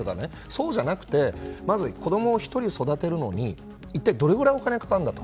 そうじゃなくてまず子供を１人育てるのに一体どれくらいお金がかかるんだと。